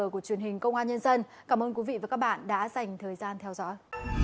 cảm ơn các bạn đã theo dõi